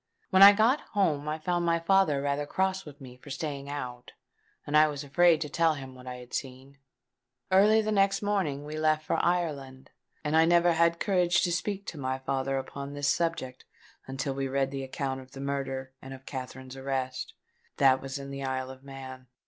When I got home I found my father rather cross with me for staying out; and I was afraid to tell him what I had seen. Early the next morning we left for Ireland; and I never had courage to speak to my father upon this subject until we read the account of the murder and of Katherine's arrest. That was in the Isle of Man."